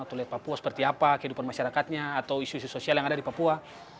atau lihat papua seperti apa kehidupan masyarakatnya atau isu isu sosial yang ada di papua